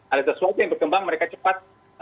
alertness waktu yang berkembang mereka cepat